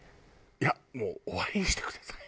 いやもう終わりにしてください。